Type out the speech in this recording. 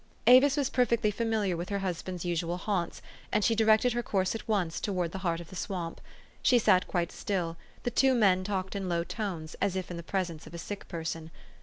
Avis was perfectly familiar with her husband's usual haunts, and she directed her course at once towards the heart of the swamp. She sat quite still : the two men talked in low tones, as if in the pres ence of a sick person.